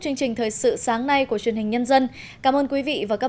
chương trình thời sự sáng nay của truyền hình nhân dân cảm ơn quý vị và các bạn